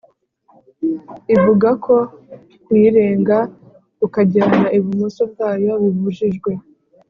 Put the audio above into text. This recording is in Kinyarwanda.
ivugako kuyirenga ukagana ibumoso bwayo bibujijwe